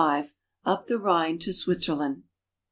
XXV. UP THE RHINE TO SWITZERLAND.